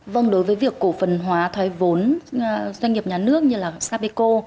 vâng đối với việc cổ phần hóa thoái vốn doanh nghiệp nhà nước như là sapeco